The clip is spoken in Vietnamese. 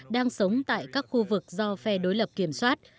đang sống tại các khu vực do phe đối lập kiểm soát